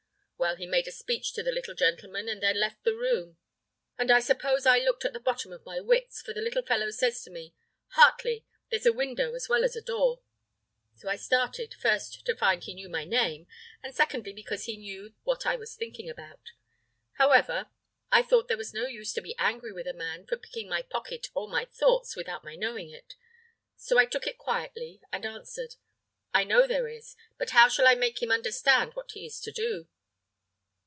Well, he made a speech to the little gentleman, and then left the room; and I suppose I looked at the bottom of my wits, for the little fellow says to me, 'Heartley! there's a window as well as a door.' So I started, first to find he knew my name, and secondly because he knew what I was thinking about. However, I thought there was no use to be angry with a man for picking my pocket of my thoughts without my knowing it; so I took it quietly, and answered, 'I know there is; but how shall I make him understand what he is to do?'